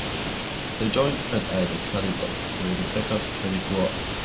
They joined and aided Hannibal during the Second Punic War.